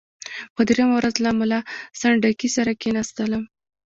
په دریمه ورځ له ملا سنډکي سره کښېنستلم.